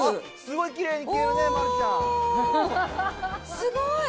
すごい！